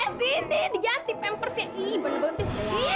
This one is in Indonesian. eh sini diganti pampersnya ih badung banget sih